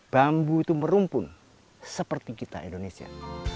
bambu itu merumpun seperti kita indonesia